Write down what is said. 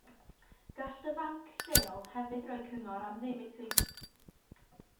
Gall dy fanc lleol hefyd roi cyngor am ddim i ti.